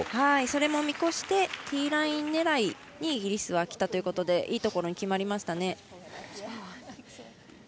それも見越してティーライン狙いにイギリスはきたということでいいところに決まりましたね。